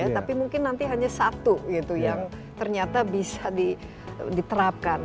tapi mungkin nanti hanya satu gitu yang ternyata bisa diterapkan